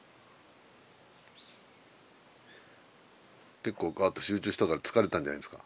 結構ガッと集中したから疲れたんじゃないですか？